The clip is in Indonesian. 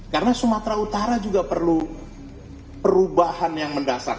karena sumatra utara juga perlu perubahan yang mendasar